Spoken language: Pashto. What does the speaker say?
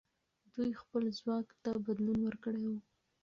دوی خپل ځواک ته بدلون ورکړی وو.